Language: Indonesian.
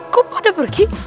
kok pada pergi